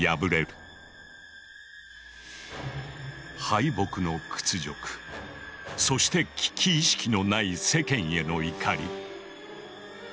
敗北の屈辱そして危機意識のない世間への怒り。